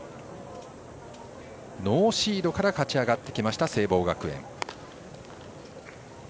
ノーシードから勝ち上がってきた聖望学園。